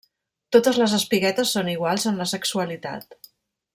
Totes les espiguetes són iguals en la sexualitat.